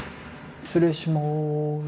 失礼します。